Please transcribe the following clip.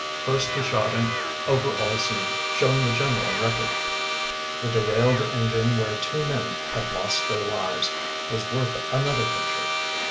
First he shot an over all scene, showing the general wreckage. The derailed engine where two men had lost their lives, was worth another picture.